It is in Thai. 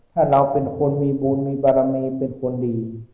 ถ้าเราเป็นคนมีบุญมีบารมีเป็นคนดี